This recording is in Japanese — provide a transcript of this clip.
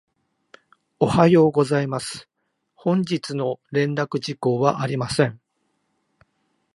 おはようございます。本日の連絡事項はありません。